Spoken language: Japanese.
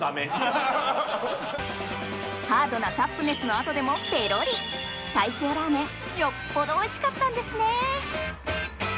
ハードなサップネスの後でもペロリ鯛塩ラーメンよっぽどおいしかったんですね